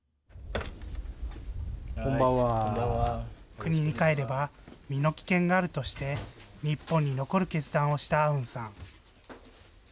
国に帰れば、身の危険があるとして、日本に残る決断をしたアウンさん。